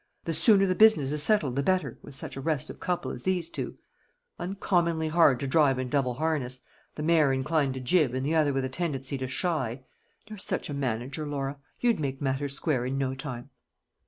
The sooner the business is settled the better, with such a restive couple as these two; uncommonly hard to drive in double harness the mare inclined to jib, and the other with a tendency to shy. You're such a manager, Laura, you'd make matters square in no time."